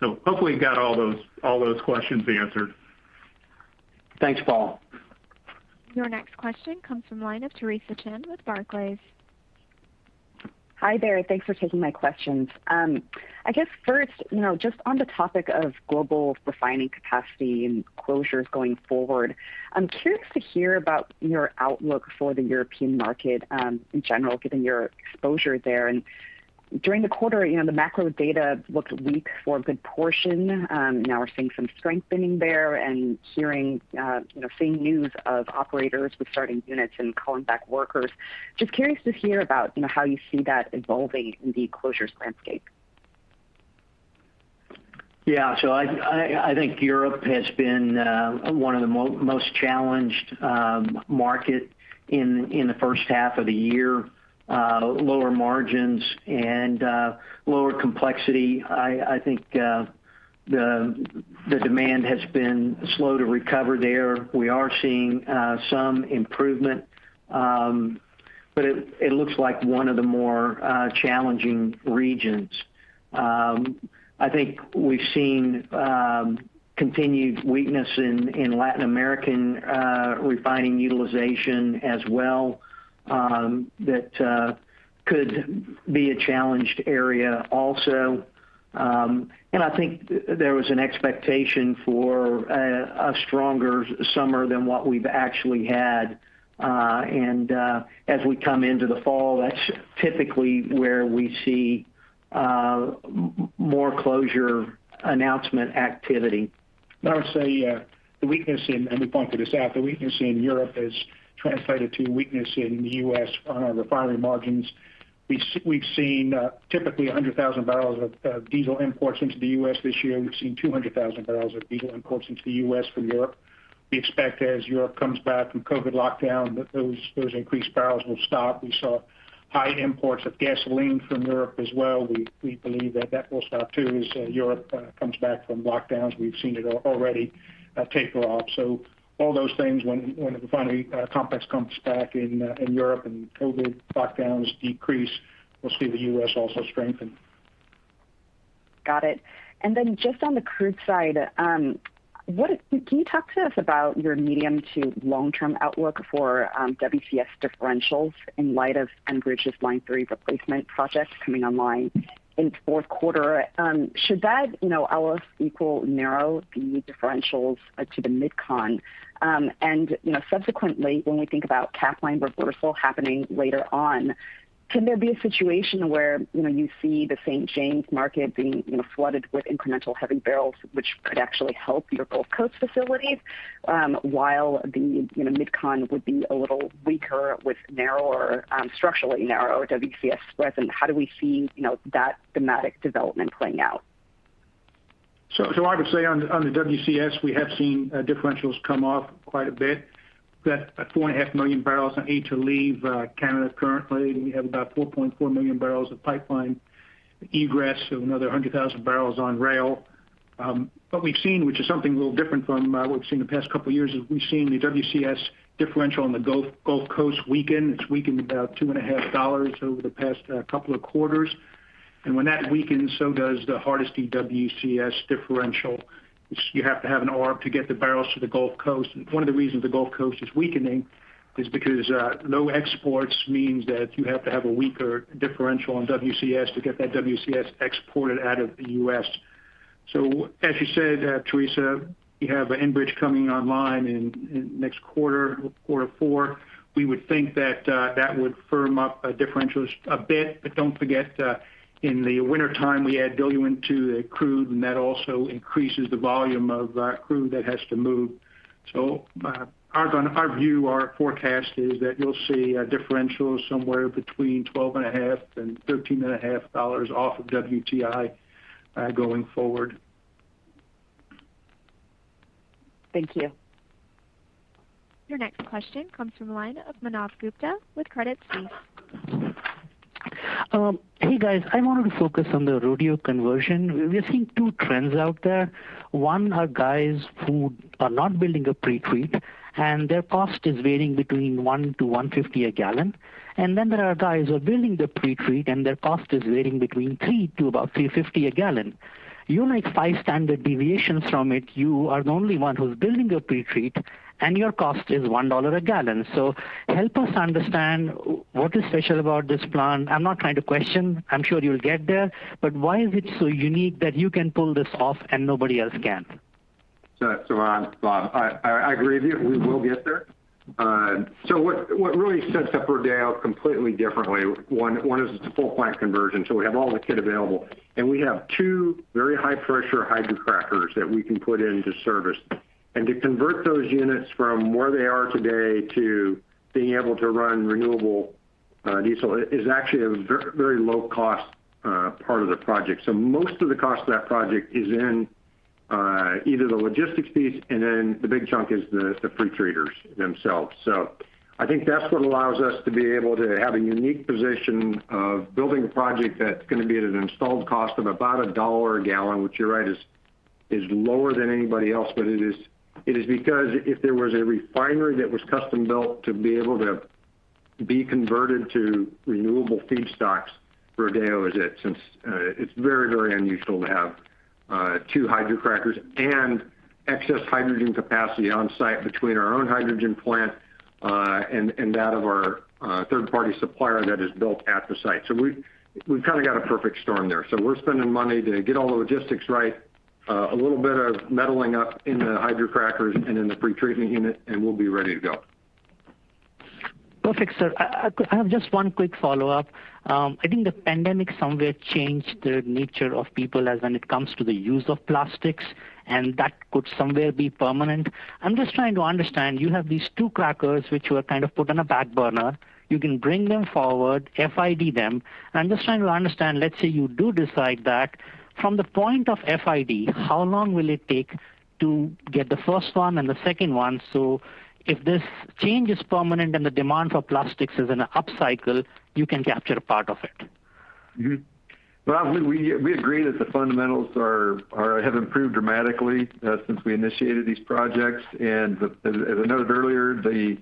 Hopefully you got all those questions answered. Thanks, Paul. Your next question comes from the line of Theresa Chen with Barclays. Hi there. Thanks for taking my questions. I guess first, just on the topic of global refining capacity and closures going forward, I'm curious to hear about your outlook for the European market, in general, given your exposure there. During the quarter, the macro data looked weak for a good portion. Now we're seeing some strengthening there and seeing news of operators restarting units and calling back workers. Just curious to hear about how you see that evolving in the closures landscape. I think Europe has been one of the most challenged market in the first half of the year. Lower margins and lower complexity. I think the demand has been slow to recover there. We are seeing some improvement. It looks like one of the more challenging regions. I think we've seen continued weakness in Latin American refining utilization as well. That could be a challenged area also. I think there was an expectation for a stronger summer than what we've actually had. As we come into the fall, that's typically where we see more closure announcement activity. I would say, and we point this out, the weakness in Europe has translated to weakness in the U.S. on our refining margins. We've seen typically 100,000 bbl of diesel imports into the U.S. This year, we've seen 200,000 bbl of diesel imports into the U.S. from Europe. We expect as Europe comes back from COVID lockdown, that those increased barrels will stop. We saw high imports of gasoline from Europe as well. We believe that that will stop too as Europe comes back from lockdowns. We've seen it already taper off. All those things, when the refining complex comes back in Europe and COVID lockdowns decrease, we'll see the U.S. also strengthen. Got it. Just on the crude side, can you talk to us about your medium to long-term outlook for WCS differentials in light of Enbridge's Line 3 replacement project coming online in fourth quarter? Should that, all else equal, narrow the differentials to the MidCon? Subsequently, when we think about Capline reversal happening later on, can there be a situation where you see the St. James market being flooded with incremental heavy barrels, which could actually help your Gulf Coast facilities? While the MidCon would be a little weaker with narrower, structurally narrower WCS spreads, and how do we see that thematic development playing out? I would say on the WCS, we have seen differentials come off quite a bit. We've got 4.5 million bbl of aid to leave Canada currently. We have about 4.4 million bbl of pipeline egress of another 100,000 bbl on rail. What we've seen, which is something a little different from what we've seen the past couple of years, is we've seen the WCS differential on the Gulf Coast weaken. It's weakened about $2.5 over the past couple of quarters. When that weakens, so does the Hardisty WCS differential, which you have to have in order to get the barrels to the Gulf Coast. One of the reasons the Gulf Coast is weakening is because low exports means that you have to have a weaker differential on WCS to get that WCS exported out of the U.S. As you said, Theresa, you have Enbridge coming online in next quarter four. We would think that that would firm up differentials a bit. Don't forget, in the wintertime, we add diluent to the crude, and that also increases the volume of crude that has to move. Our view, our forecast is that you'll see a differential somewhere between $12.5 and $13.5 off of WTI, going forward. Thank you. Your next question comes from the line of Manav Gupta with Credit Suisse. Hey, guys. I wanted to focus on the Rodeo conversion. We are seeing two trends out there. One are guys who are not building a pre-treat and their cost is varying between $1-$1.50 a gallon. There are guys who are building the pre-treat and their cost is varying between $3-$3.50 a gallon. You make five standard deviations from it. You are the only one who's building a pre-treat, and your cost is $1 a gallon. Help us understand what is special about this plan. I'm not trying to question. I'm sure you'll get there. Why is it so unique that you can pull this off and nobody else can? Manav, I agree with you. We will get there. What really sets up Rodeo completely differently, one is it's a full plant conversion, so we have all the kit available. We have two very high-pressure hydrocrackers that we can put into service. To convert those units from where they are today to being able to run renewable Diesel is actually a very low cost part of the project. Most of the cost of that project is in either the logistics piece and then the big chunk is the pre-treaters themselves. I think that's what allows us to be able to have a unique position of building a project that's going to be at an installed cost of about $1 a gallon, which you're right, is lower than anybody else. It is because if there was a refinery that was custom-built to be able to be converted to renewable feedstocks, Rodeo is it, since it's very unusual to have two hydrocrackers and excess hydrogen capacity on site between our own hydrogen plant and that of our third-party supplier that is built at the site. We've kind of got a perfect storm there. We're spending money to get all the logistics right, a little bit of metalling up in the hydrocrackers and in the pre-treatment unit, and we'll be ready to go. Perfect, sir. I have just one quick follow-up. I think the pandemic somewhere changed the nature of people as when it comes to the use of plastics, and that could somewhere be permanent. I'm just trying to understand, you have these two crackers which you have kind of put on a back burner. You can bring them forward, FID them. I'm just trying to understand, let's say you do decide that from the point of FID, how long will it take to get the first one and the second one? If this change is permanent and the demand for plastics is in an upcycle, you can capture part of it. Well, I believe we agree that the fundamentals have improved dramatically since we initiated these projects. As I noted earlier, the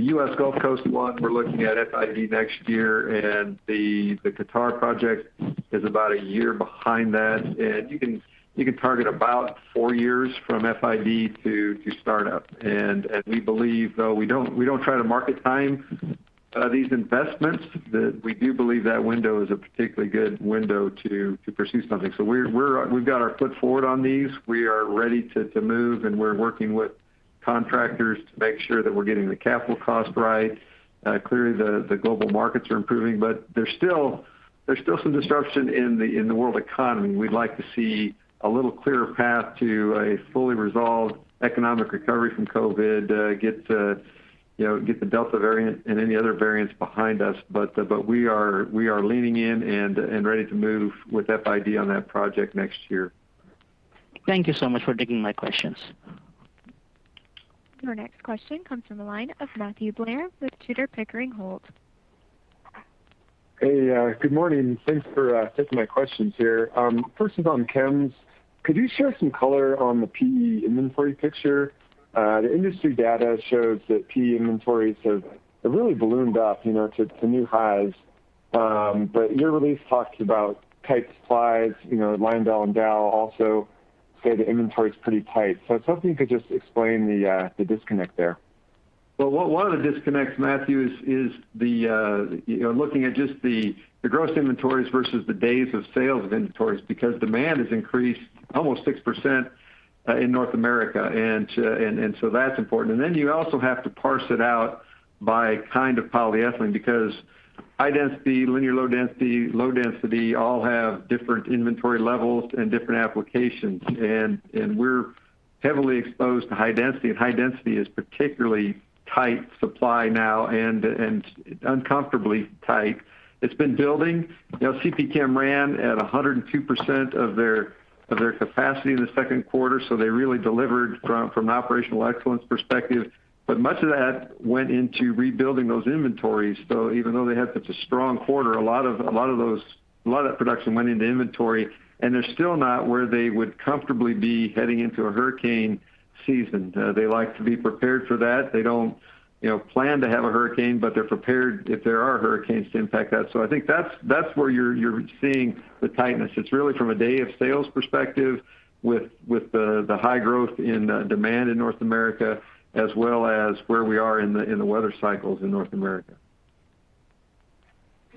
U.S. Gulf Coast 1, we're looking at FID next year, the Qatar project is about 1 year behind that. You can target about four years from FID to start up. We don't try to market time these investments, that we do believe that window is a particularly good window to pursue something. We've got our foot forward on these. We are ready to move, and we're working with contractors to make sure that we're getting the capital cost right. Clearly, the global markets are improving, but there's still some disruption in the world economy, and we'd like to see a little clearer path to a fully resolved economic recovery from COVID, get the Delta variant and any other variants behind us. We are leaning in and ready to move with FID on that project next year. Thank you so much for taking my questions. Your next question comes from the line of Matthew Blair with Tudor, Pickering, Holt. Hey, good morning. Thanks for taking my questions here. First is on chems. Could you share some color on the PE inventory picture? The industry data shows that PE inventories have really ballooned up to new highs, but your release talks about tight supplies. LyondellBasell and Dow also say the inventory's pretty tight. I was hoping you could just explain the disconnect there. Well, one of the disconnects, Matthew, is looking at just the gross inventories versus the days of sales of inventories because demand has increased almost 6% in North America. That's important. You also have to parse it out by kind of polyethylene because high density, linear low density, low density all have different inventory levels and different applications. We're heavily exposed to high density, and high density is particularly tight supply now and uncomfortably tight. It's been building. CPChem ran at 102% of their capacity in the second quarter, so they really delivered from an operational excellence perspective. Much of that went into rebuilding those inventories. Even though they had such a strong quarter, a lot of that production went into inventory, and they're still not where they would comfortably be heading into a hurricane season. They like to be prepared for that. They don't plan to have a hurricane, but they're prepared if there are hurricanes to impact that. I think that's where you're seeing the tightness. It's really from a day of sales perspective with the high growth in demand in North America as well as where we are in the weather cycles in North America.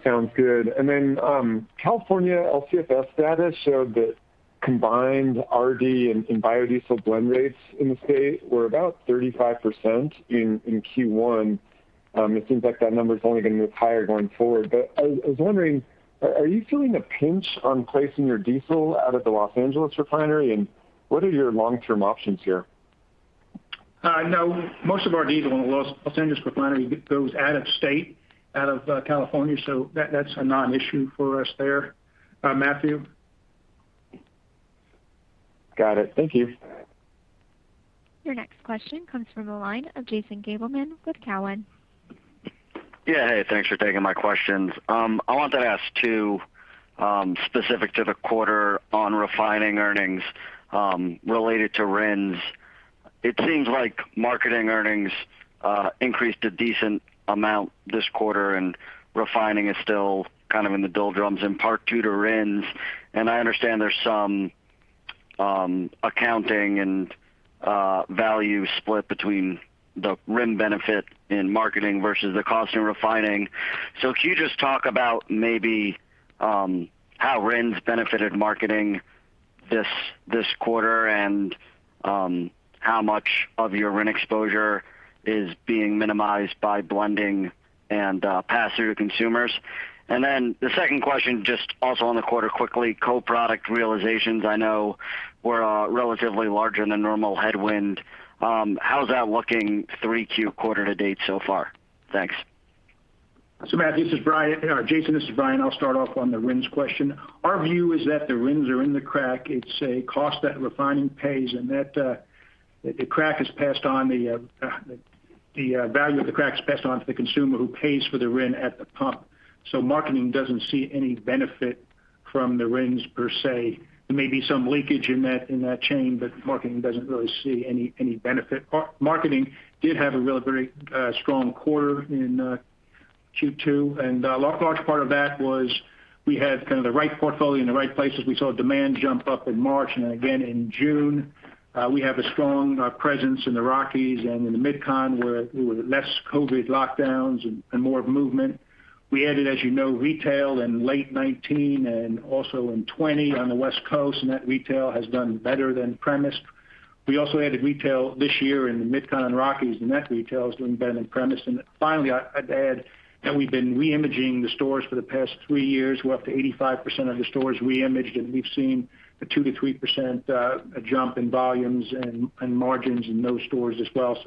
Sounds good. California LCFS data showed that combined RD and biodiesel blend rates in the state were about 35% in Q1. It seems like that number is only going to move higher going forward. I was wondering, are you feeling the pinch on placing your diesel out of the L.A. refinery? What are your long-term options here? No. Most of our diesel in the Los Angeles refinery goes out of state, out of California. That's not an issue for us there, Matthew. Got it. Thank you. Your next question comes from the line of Jason Gabelman with Cowen. Thanks for taking my questions. I wanted to ask two specific to the quarter on refining earnings related to RINs. It seems like marketing earnings increased a decent amount this quarter, and refining is still kind of in the doldrums in part due to RINs. I understand there's some accounting and value split between the RIN benefit in marketing versus the cost in refining. Can you just talk about maybe how RINs benefited marketing this quarter and how much of your RIN exposure is being minimized by blending and pass through to consumers? The second question, just also on the quarter quickly. Co-product realizations I know were a relatively larger than normal headwind. How's that looking 3Q quarter to date so far? Thanks. Matthew, this is Brian. Jason, this is Brian. I'll start off on the RINs question. Our view is that the RINs are in the crack. It's a cost that refining pays and the value of the crack is passed on to the consumer who pays for the RIN at the pump. Marketing doesn't see any benefit from the RINs per se. There may be some leakage in that chain, but marketing doesn't really see any benefit. Marketing did have a really very strong quarter in Q2, and a large part of that was we had kind of the right portfolio in the right places. We saw demand jump up in March and again in June. We have a strong presence in the Rockies and in the MidCon, where there were less COVID lockdowns and more movement. We added, as you know, retail in late 2019 and also in 2020 on the West Coast. That retail has done better than previous. We also added retail this year in the MidCon and Rockies. That retail is doing better than previous. Finally, I'd add that we've been reimaging the stores for the past three years. We're up to 85% of the stores reimaged. We've seen a 2%-3% jump in volumes and margins in those stores as well.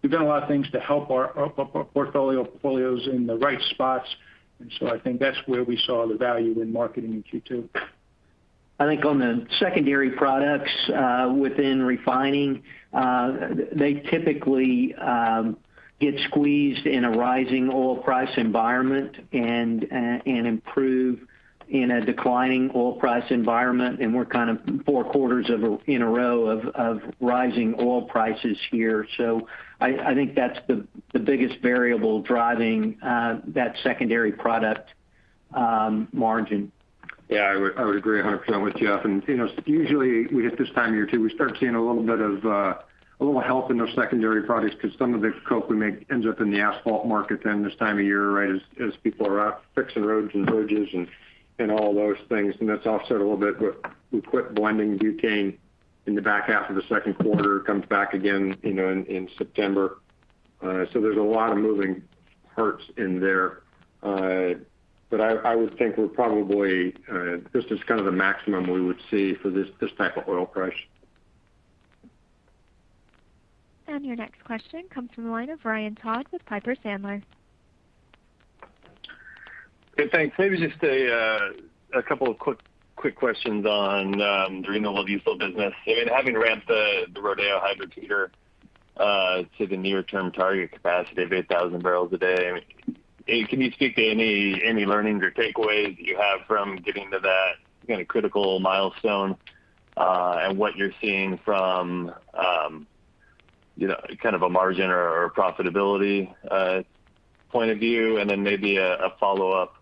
We've done a lot of things to help our portfolios in the right spots. I think that's where we saw the value in marketing in Q2. I think on the secondary products within refining, they typically get squeezed in a rising oil price environment and improve in a declining oil price environment. We're kind of four quarters in a row of rising oil prices here. I think that's the biggest variable driving that secondary product margin. Yeah, I would agree 100% with Jeff. Usually we hit this time of year, too, we start seeing a little help in those secondary products because some of the coke we make ends up in the asphalt market then this time of year, right as people are out fixing roads and bridges and all those things. That's offset a little bit with we quit blending butane in the back half of the second quarter. It comes back again in September. There's a lot of moving parts in there. I would think this is kind of the maximum we would see for this type of oil price. Your next question comes from the line of Ryan Todd with Piper Sandler. Good, thanks. Maybe just a couple of quick questions on the renewable diesel business. Having ramped the Rodeo hydrotreater to the near-term target capacity of 8,000 bpd, can you speak to any learnings or takeaways you have from getting to that critical milestone and what you're seeing from kind of a margin or profitability point of view? Maybe a follow-up,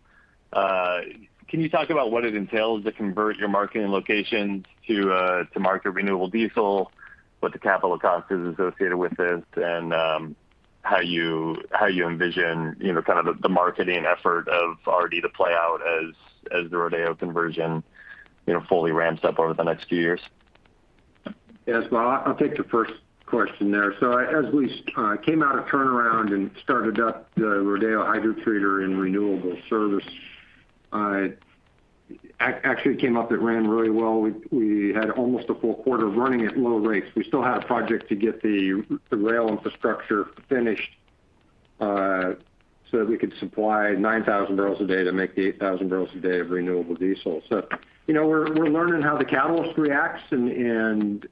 can you talk about what it entails to convert your marketing locations to market renewable diesel, what the capital cost is associated with this, and how you envision kind of the marketing effort of RD to play out as the Rodeo conversion fully ramps up over the next few years? Yes. Well, I'll take the first question there. As we came out of turnaround and started up the Rodeo hydrotreater and renewable service, it actually came up, it ran really well. We had almost a full quarter of running at low rates. We still had a project to get the rail infrastructure finished so that we could supply 9,000 bpd to make the 8,000 bpd of renewable diesel. We're learning how the catalyst reacts and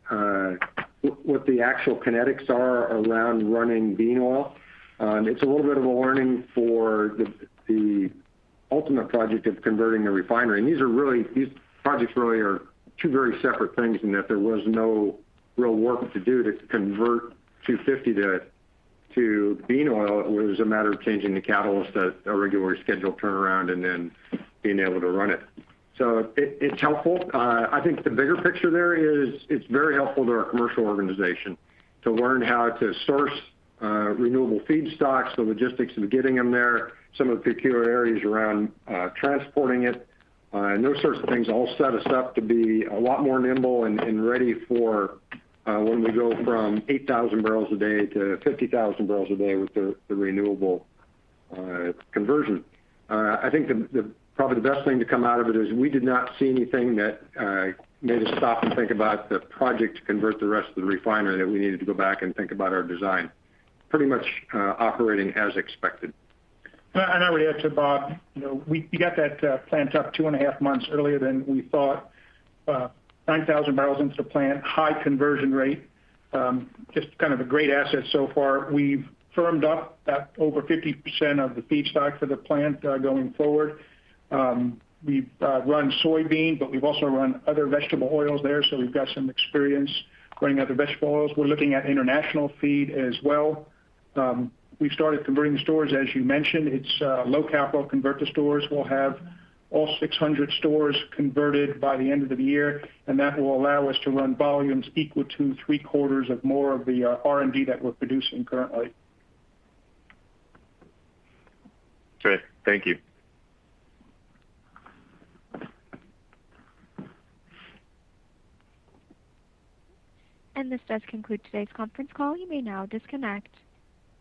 what the actual kinetics are around running bean oil. It's a little bit of a learning for the ultimate project of converting the refinery. These projects really are two very separate things in that there was no real work to do to convert 250 to bean oil. It was a matter of changing the catalyst at a regularly scheduled turnaround and then being able to run it. It's helpful. I think the bigger picture there is it's very helpful to our commercial organization to learn how to source renewable feedstocks, the logistics of getting them there, some of the peculiarities around transporting it. Those sorts of things all set us up to be a lot more nimble and ready for when we go from 8,000 bpd to 50,000 bpd with the renewable conversion. I think probably the best thing to come out of it is we did not see anything that made us stop and think about the project to convert the rest of the refinery that we needed to go back and think about our design. Pretty much operating as expected. I would add to Bob, we got that plant up 2.5 months earlier than we thought. 9,000 bbl into the plant, high conversion rate, just kind of a great asset so far. We've firmed up over 50% of the feedstock for the plant going forward. We've run soybean, but we've also run other vegetable oils there, so we've got some experience running other vegetable oils. We're looking at international feed as well. We've started converting the stores, as you mentioned. It's low capital to convert the stores. We'll have all 600 stores converted by the end of the year, and that will allow us to run volumes equal to three quarters of more of the RD that we're producing currently. Great. Thank you. This does conclude today's conference call. You may now disconnect.